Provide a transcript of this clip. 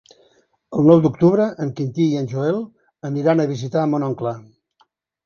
El nou d'octubre en Quintí i en Joel aniran a visitar mon oncle.